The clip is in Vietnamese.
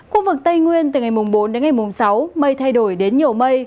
khu vực tây nguyên từ ngày bốn đến ngày mùng sáu mây thay đổi đến nhiều mây